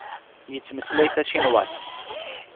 Yettmeslay tacinwat.